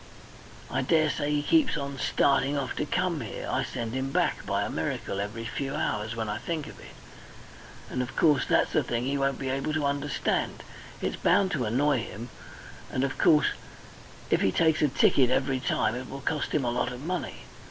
I daresay he keeps on starting off to come here. I send him back, by a miracle, every few hours, when I think of it. And, of course, that's a thing he won't be able to understand, and it's bound to annoy him; and, of course, if he takes a ticket every time it will cost him a lot of money.